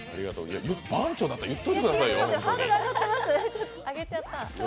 番長だったら、言っといてくださいよ。